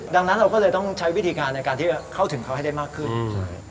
ดังนั้นเราก็เลยต้องใช้วิธีการในการที่จะเข้าถึงเขาให้ได้มากขึ้น